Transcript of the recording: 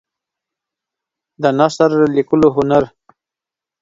د نثر لیکلو هنر